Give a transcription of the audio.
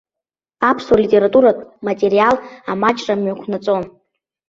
Аԥсуа литературатә материал амаҷра мҩақәнаҵон.